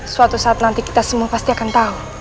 suatu saat nanti kita semua pasti akan tahu